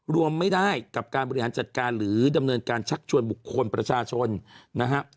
รวมไม่ได้กับการบริหารจัดการหรือดำเนินการชักชวนบุคคลประชาชนนะฮะ